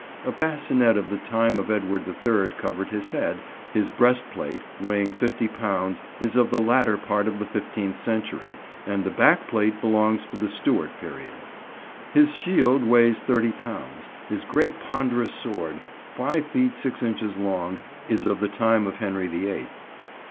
A bascinet of the time of Edward the Third covered his head, his breastplate, weighing fifty pounds, is of the latter part of the fifteenth century, and the backplate belongs to the Stuart period. His shield weighs thirty pounds; his great ponderous sword, five feet six inches long, is of the time of Henry the Eighth.